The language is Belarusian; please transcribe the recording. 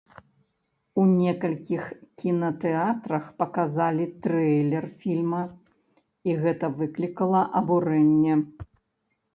У некалькіх кінатэатрах паказалі трэйлер фільма, і гэта выклікала абурэнне.